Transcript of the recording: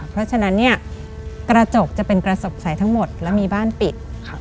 เพราะฉะนั้นเนี่ยกระจกจะเป็นกระจกใสทั้งหมดและมีบ้านปิด